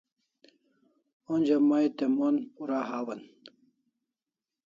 Onja mai te mon pura hawan